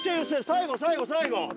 最後最後最後！